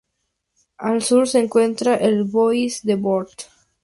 Al sur se encuentra el Bois de Bord.